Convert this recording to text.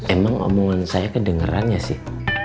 emang omongan saya kedengeran ya sih